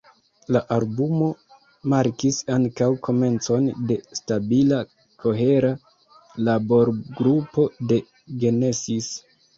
La albumo markis ankaŭ komencon de stabila, kohera laborgrupo de Genesis.